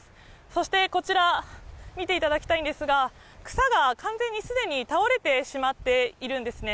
そして、こちら見ていただきたいんですが、草が完全に、すでに倒れてしまっているんですね。